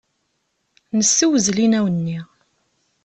Nessewzel inaw-nni.